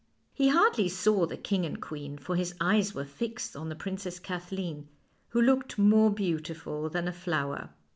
He hardly saw the king and queen, for his eyes were fixed on the Princess Kathleen, who looked more beautiful than a flower.